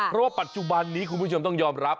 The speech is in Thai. เพราะว่าปัจจุบันนี้คุณผู้ชมต้องยอมรับ